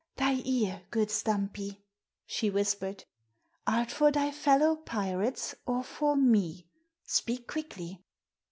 "Thy ear, good Stumpy," she whispered. "Art for thy fellow pirates, or for me? Speak quickly."